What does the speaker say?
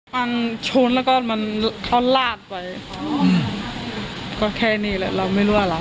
มันชนแล้วก็มันเขาลาดไปก็แค่นี้แหละเราไม่รู้อะไร